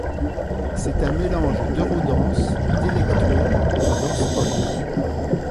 C'est un mélange d'eurodance, d'electro et de dance-pop.